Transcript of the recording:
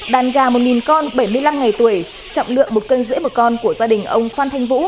đàn gà một con bảy mươi năm ngày tuổi trọng lượng một cân rưỡi một con của gia đình ông phan thanh vũ